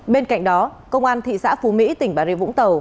bên cạnh đó công an thị xã phú mỹ tỉnh bà rịa vũng tàu